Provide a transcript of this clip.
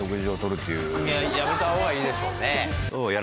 やめたほうがいいでしょうね。